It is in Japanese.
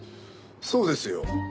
そうですよ。